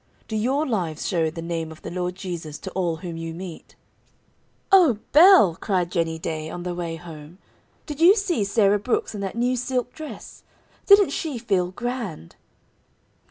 Do your lives show the name of the Lord Jesus to all whom you meet?" "O Belle!" cried Jennie Day, on the way home. "Did you see Sarah Brooks in that new silk dress? Didn't she feel grand?"